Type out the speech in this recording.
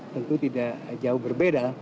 tentu tidak jauh berbeda